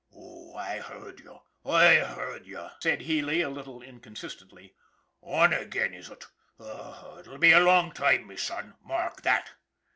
" Oh, I heard you I heard you," said Healy, a little inconsistently. " On ag'in, is ut ? Ut'll be a long toime, me son, mark that